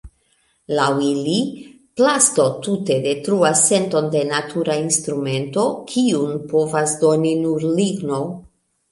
Laŭ ili plasto tute detruas senton de natura instrumento, kiun povas doni nur ligno.